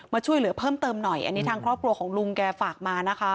ช่วยเหลือเพิ่มเติมหน่อยอันนี้ทางครอบครัวของลุงแกฝากมานะคะ